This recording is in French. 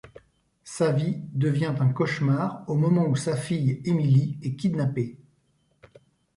Sa vie devient un cauchemar au moment où sa fille, Emily, est kidnappée.